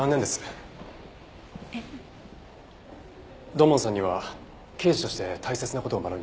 土門さんには刑事として大切な事を学びました。